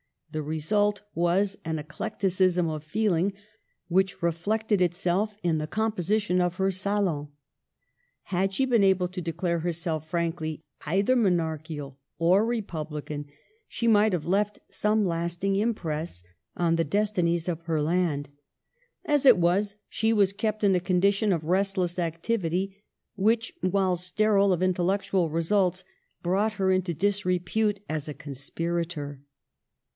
The result was an eclecticism of feeling, which reflected itself in the composition of her salon. Had she been able to declare her self frankly either Monarchical or Republican she might have left some lasting impress on the des tinies of her land. As it was, she was kept in a condition of restless activity which, while sterile of intellectual results, brought her into disrepute as a conspirator.